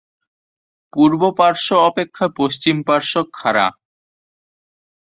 পূর্ব পার্শ্ব অপেক্ষা পশ্চিম পার্শ্ব খাড়া।